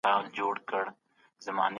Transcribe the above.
هغه په یوه غریبه سیمه کي اوسیږي.